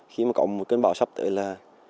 khi mà có một cơn bão sắp tới là